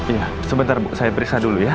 iya sebentar saya periksa dulu ya